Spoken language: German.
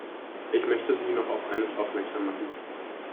Ich möchte Sie noch auf eines aufmerksam machen.